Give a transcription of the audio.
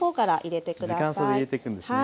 時間差で入れていくんですね。